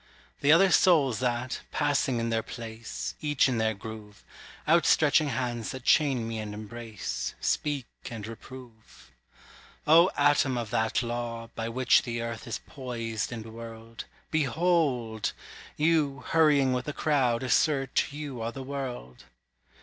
The other souls that, passing in their place, Each in their groove; Out stretching hands that chain me and embrace, Speak and reprove. "O atom of that law, by which the earth Is poised and whirled; Behold! you hurrying with the crowd assert You are the world."